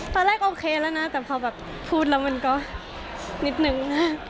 ตอนแรกโอเคแล้วนะแต่พอแบบพูดแล้วมันก็นิดนึงนะ